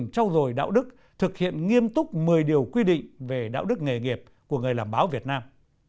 thực hiện nghiêm túc một mươi điều quy định về đạo đức nghề nghiệp của người làm báo việt nam